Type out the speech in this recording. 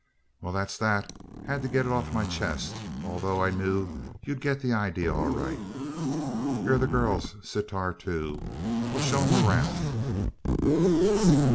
"Well, that's that. Had to get it off my chest, although I knew you'd get the idea all right. Here are the girls Sitar too. We'll show 'em around."